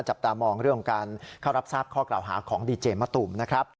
จับตามองเรื่องของการเข้ารับทราบข้อกล่าวหาของดีเจมะตูมนะครับ